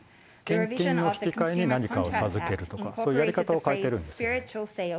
献金の引き換えに何かを授けるとか、そういうやり方を変えてるんですね。